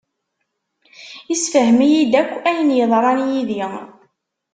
Yessefhem-iyi-d akk ayen yeḍran yid-i.